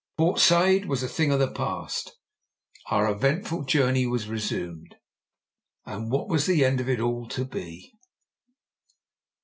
Port Said was a thing of the past. Our eventful journey was resumed what was the end of it all to be?